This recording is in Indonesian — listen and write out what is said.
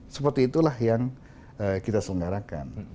seperti itulah yang kita selenggarakan